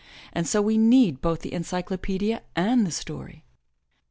And so we need both the encyclopedia and the story.